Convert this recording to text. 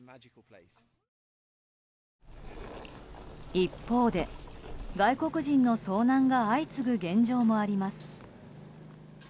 一方で、外国人の遭難が相次ぐ現状もあります。